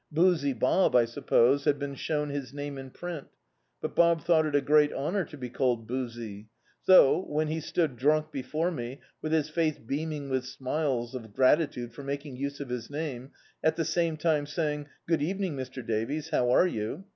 Boozy Bob, I suppose, had been shown his name in print; but Bob thou^t it a great honour to be called Boozy; so, when he stood drunk before me, with his face beaming with smiles of gratitude for making use of his name, at the same time saying — "Good evening, Mr. Davies, how are you?"